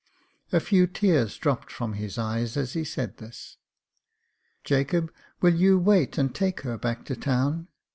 A few tears dropped from his eyes as he said this. "Jacob, will you wait and take her back to town